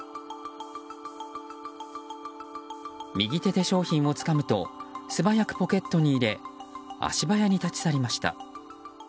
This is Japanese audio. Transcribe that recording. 右手で商品をつかむと素早くポケットに入れ足早に立ち去りました。